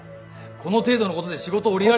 この程度のことで仕事を降りられたら。